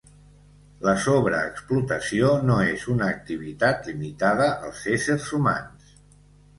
La sobreexplotació no és una activitat limitada als éssers humans.